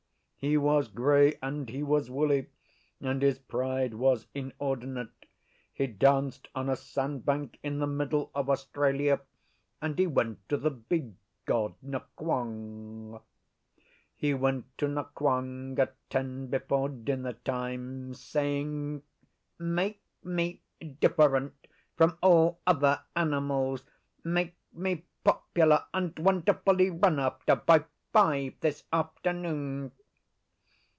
He was grey and he was woolly, and his pride was inordinate: he danced on a sandbank in the middle of Australia, and he went to the Big God Nqong. He went to Nqong at ten before dinner time, saying, 'Make me different from all other animals; make me popular and wonderfully run after by five this afternoon.